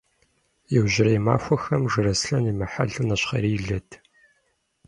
Иужьрей махуэхэм Жыраслъэн имыхьэлу нэщхъейрилэт.